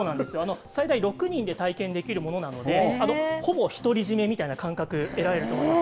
最大６人で体験できるものなので、ほぼ独り占めみたいな感覚得られると思います。